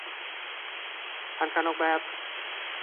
ผ่านการออกแบบ